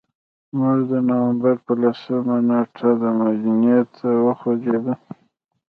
موږ د نوامبر په لسمه نېټه مدینې ته وخوځېدو.